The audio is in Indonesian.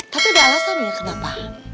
tapi ada alasan ya kenapa